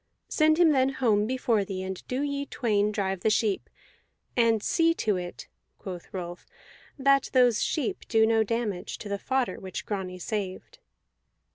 Send him then home before thee, and do ye twain drive the sheep. And see to it," quoth Rolf, "that those sheep do no damage to the fodder which Grani saved."